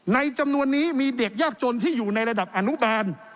จำนวนนี้มีเด็กยากจนที่อยู่ในระดับอนุบาล